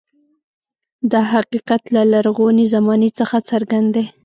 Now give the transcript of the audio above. دا حقیقت له لرغونې زمانې څخه څرګند دی.